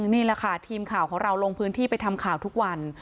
นี่แหละค่ะทีมข่าวของเราลงพื้นที่ไปทำข่าวทุกวัน